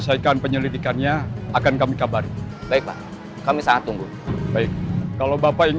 supaya saya keras adapting